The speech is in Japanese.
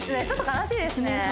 ちょっと悲しいですね